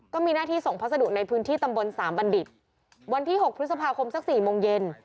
ก็มีหน้าที่ส่งพัสดุในพื้นที่ตำบลสามบัณฑิตวันที่๖พฤษภาคมสัก๔โมงเย็น